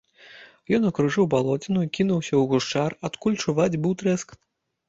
Ён акружыў балоціну і кінуўся ў гушчар, адкуль чуваць быў трэск.